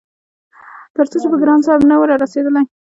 تر څو چې به ګران صاحب نه وو رارسيدلی-